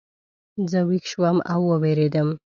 زه ویښ شوم او ووېرېدم.